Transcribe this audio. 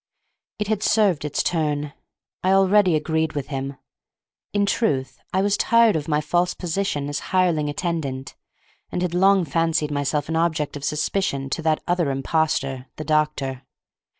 It had served its turn. I already agreed with him. In truth I was tired of my false position as hireling attendant, and had long fancied myself an object of suspicion to that other impostor the doctor.